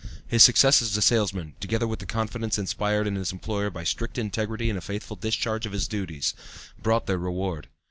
His success as a salesman, together with the confidence inspired in his employer by strict integrity and a faithful discharge of his duties, brought their reward.